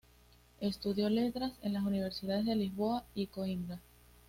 Estudió Letras en las universidades de Lisboa y Coimbra.